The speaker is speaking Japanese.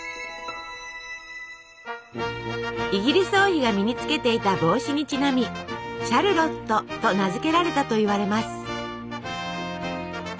イギリス王妃が身につけていた帽子にちなみ「シャルロット」と名付けられたといわれます。